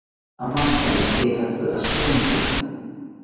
Amampaya ejatzi ashirontya